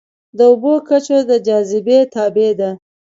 د اوبو کچه د جاذبې تابع ده.